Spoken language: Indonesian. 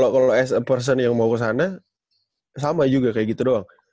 kalau as a person yang mau kesana sama juga kayak gitu doang